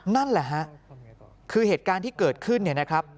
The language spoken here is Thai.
นั่นแหละฮะคือเหตุการณ์ที่เกิดขึ้นเนี่ยนะครับ